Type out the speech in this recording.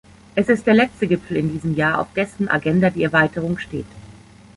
Es ist der letzte Gipfel in diesem Jahr, auf dessen Agenda die Erweiterung steht.